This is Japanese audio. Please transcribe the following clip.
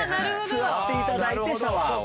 座っていただいてシャワーを。